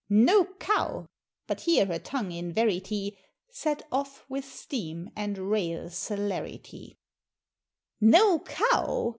"No Cow!" but here her tongue in verity, Set off with steam and rail celerity "No Cow!